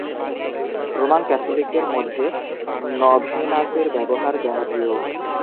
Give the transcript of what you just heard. Roman ক্যাথলিকদের মধ্যে নভেনাসের ব্যবহার জনপ্রিয়।